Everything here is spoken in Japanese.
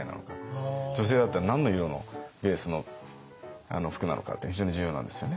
女性だったら何の色のベースの服なのかって非常に重要なんですよね。